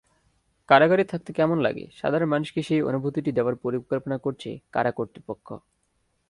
কারাগারে থাকতে কেমন লাগে, সাধারণ মানুষকে সেই অনুভূতিটি দেওয়ার পরিকল্পনা করছে কারা কর্তৃপক্ষ।